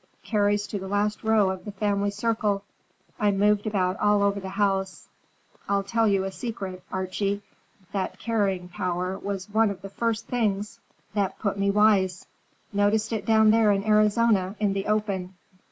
Carries to the last row of the family circle. I moved about all over the house. I'll tell you a secret, Archie: that carrying power was one of the first things that put me wise. Noticed it down there in Arizona, in the open.